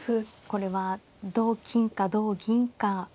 これは同金か同銀か。